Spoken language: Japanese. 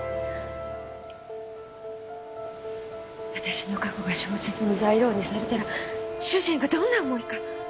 私の過去が小説の材料にされたら主人がどんな思いか？